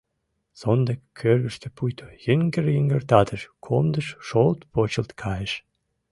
Сондык кӧргыштӧ пуйто йыҥгыр йыҥгыртатыш — комдыш шолт почылт кайыш.